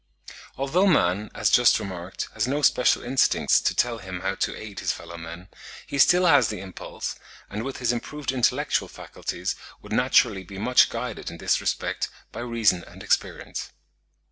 Although man, as just remarked, has no special instincts to tell him how to aid his fellow men, he still has the impulse, and with his improved intellectual faculties would naturally be much guided in this respect by reason and experience.